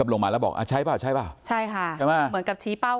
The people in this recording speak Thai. กับลงมาแล้วบอกใช้ป่าวใช้ป่าวใช้ค่ะเหมือนกับชี้เป้า